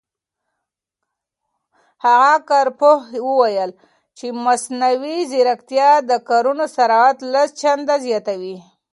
هغه کارپوه وویل چې مصنوعي ځیرکتیا د کارونو سرعت لس چنده زیاتوي.